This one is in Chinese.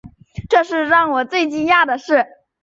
这是最让我惊讶的事